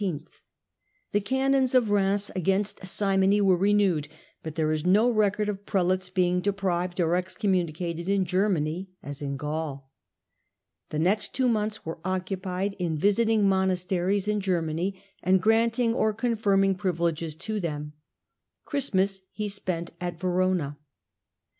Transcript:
The canons of Reims against simony were renewed, but there is no record of prelates being deprived or excommunicated in Germany, as in Gaul. The next two months were occupied in visiting monasteries in Germany, and granting or confirming privileges to them. Christmas he spent at Verona.